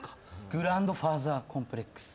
グランドファーザーコンプレックス。